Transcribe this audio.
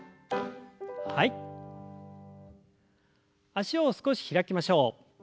脚を少し開きましょう。